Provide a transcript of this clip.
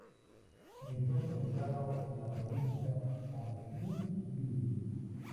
Se encuentra ubicado en la provincia Sancti Spíritus.